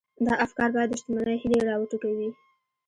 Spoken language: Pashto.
دا افکار بايد د شتمنۍ هيلې را وټوکوي.